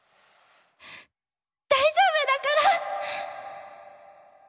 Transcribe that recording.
大丈夫だから！